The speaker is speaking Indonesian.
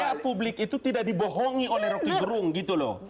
supaya publik itu tidak dibohongi oleh rocky gerung gitu loh